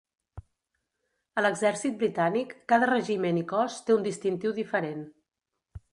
A l'exèrcit britànic, cada regiment i cos té un distintiu diferent.